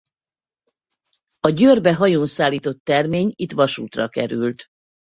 A Győrbe hajón szállított termény itt vasútra került.